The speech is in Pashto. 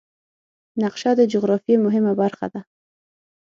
نقشه د جغرافیې مهمه برخه ده.